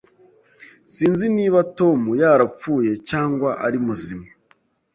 Sinzi niba Tom yarapfuye cyangwa ari muzima.